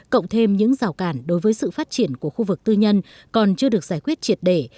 cộng thêm những rào cản đối với sự phát triển của khu vực tư nhân còn chưa được giải quyết triệt để